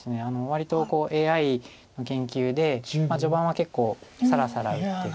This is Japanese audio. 割とＡＩの研究で序盤は結構さらさら打って。